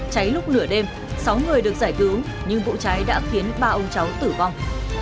cháy lúc nửa đêm sáu người được giải cứu nhưng vụ cháy đã khiến ba ông cháu tử vong